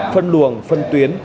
phân luồng phân tuyến